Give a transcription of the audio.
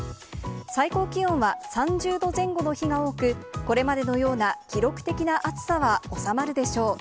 最高気温は３０度前後の日が多く、これまでのような記録的な暑さは収まるでしょう。